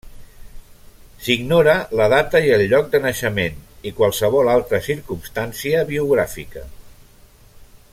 S'ignora la data i el lloc de naixement i qualsevol altra circumstància biogràfica.